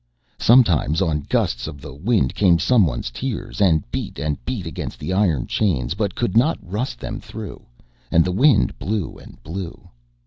Sometimes on gusts of the wind came someone's tears, and beat and beat against the iron chains, but could not rust them through. And the wind blew and blew.